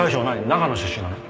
長野出身なの？